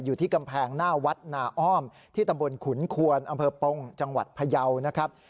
อยู่ที่กำแพงหน้าวัดนาอ้อมที่ตำบลขุนควนอำเภอปงจังหวัดพยาวนะครับ